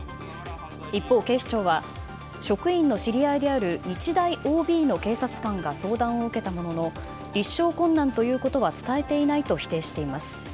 一方、警視庁は職員の知り合いである日大ＯＢの警察官が相談を受けたものの立証困難ということは伝えていないと否定しています。